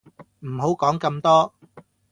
唔好講咁多